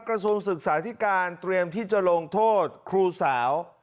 กระทรวงศึกษาธิการเตรียมที่จะลงโทษครูสาว